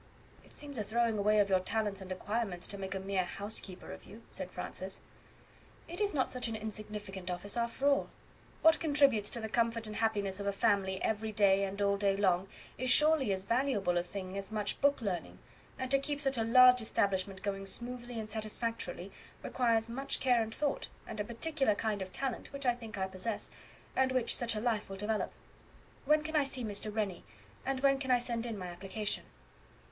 "It seems a throwing away of your talents and acquirements, to make a mere housekeeper of you," said Francis. "It is not such an insignificant office after all. What contributes to the comfort and happiness of a family every day, and all day long, is surely as valuable a thing as much book learning; and to keep such a large establishment going smoothly and satisfactorily requires much care and thought, and a particular kind of talent, which I think I possess, and which such a life will develop. When can I see Mr. Rennie, and when can I send in my application?"